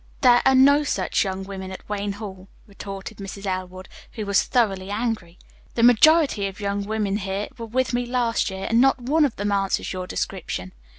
"There are no such young women at Wayne Hall," retorted Mrs. Elwood, who was thoroughly angry. "The majority of the young women here were with me last year, and not one of them answers your description.